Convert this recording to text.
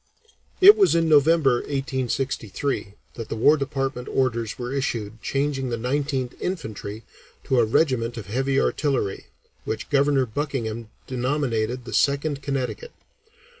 It was in November, 1863, that the War Department orders were issued changing the Nineteenth Infantry to a regiment of heavy artillery, which Governor Buckingham denominated the Second Connecticut.